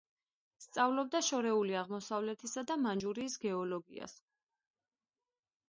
სწავლობდა შორეული აღმოსავლეთისა და მანჯურიის გეოლოგიას.